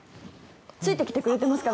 ついてきてくれてますか？